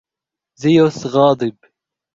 زيوس غاضب.